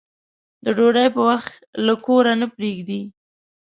د ډوډۍ په وخت له کوره نه پرېږدي.